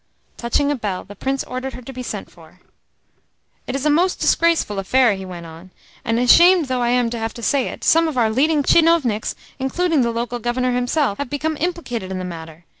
Touching a bell, the Prince ordered her to be sent for. "It is a most disgraceful affair," he went on; "and, ashamed though I am to have to say it, some of our leading tchinovniks, including the local Governor himself, have become implicated in the matter.